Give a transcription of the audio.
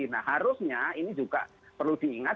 nah harusnya ini juga perlu diingat